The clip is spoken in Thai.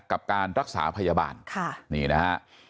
กับการรักษาพยาบาลนี่นะครับ